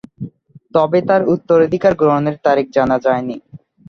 তবে তাঁর উত্তরাধিকার গ্রহণের তারিখ জানা যায়নি।